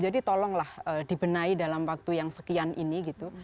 jadi tolonglah dibenahi dalam waktu yang sekian ini gitu